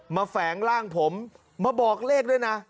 แฝงร่างผมมาบอกเลขด้วยนะ